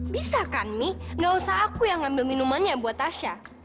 bisa kan mi gak usah aku yang ambil minumannya buat tasha